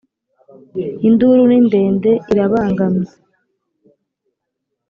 Induru ni ndende irabangamye